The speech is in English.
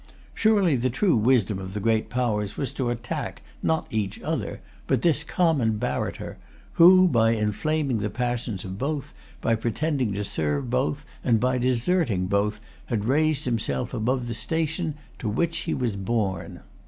Surely the true wisdom of the great powers was to attack, not each other, but this common barrator, who, by inflaming the passions of both, by pretending to serve both, and by deserting both, had raised himself above the station to which he was born.